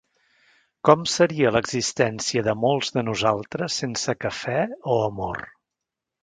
¿Com seria l'existència de molts de nosaltres sense cafè o amor?